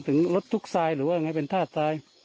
ถึงลดทุกทรายหรือเป็นท่าทราย